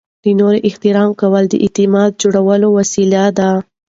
د نورو احترام کول د اعتماد جوړولو وسیله ده.